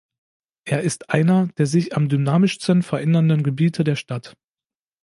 Er ist einer der sich am dynamischsten verändernden Gebiete der Stadt.